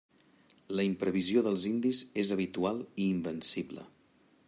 La imprevisió dels indis és habitual i invencible.